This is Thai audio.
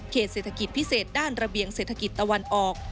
เศรษฐกิจพิเศษด้านระเบียงเศรษฐกิจตะวันออก